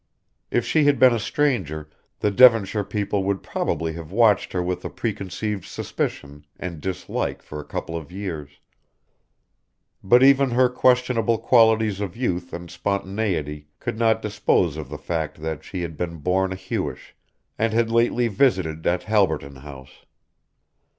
If she had been a stranger the Devonshire people would probably have watched her with a preconceived suspicion and dislike for a couple of years, but even her questionable qualities of youth and spontaneity could not dispose of the fact that she had been born a Hewish and had lately visited at Halberton House.